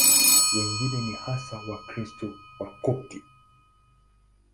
Wengine ni hasa Wakristo Wakopti.